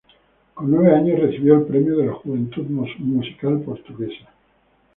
Con nueve años recibió el premio de la Juventud Musical Portuguesa.